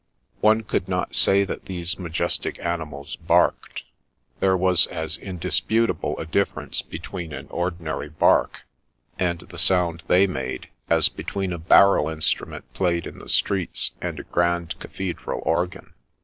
One could not say that these majestic animals " barked." There was as indis putable a difference between an ordinary bark, and the sound they made, as between the barrel instru ment played in the streets, and a grand cathedral organ.